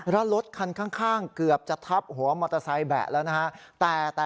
แล้วรถคันข้างเกือบจะทับหัวมอเตอร์ไซค์แบะแล้วนะฮะ